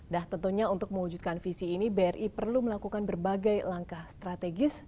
nah tentunya untuk mewujudkan visi ini bri perlu melakukan berbagai langkah strategis